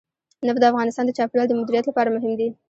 نفت د افغانستان د چاپیریال د مدیریت لپاره مهم دي.